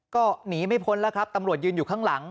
ก็หนีไม่พ้นแล้วครับตำรวจยืนอยู่ข้างหลัง